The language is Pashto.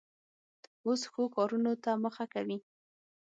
اوس ښو کارونو ته مخه کوي.